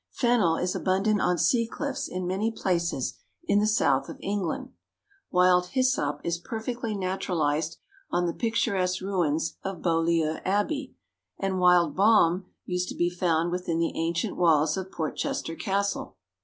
Fennel is abundant on sea cliffs in many places in the south of England. Wild hyssop is perfectly naturalized on the picturesque ruins of Beaulieu Abbey and wild balm used to be found within the ancient walls of Portchester castle.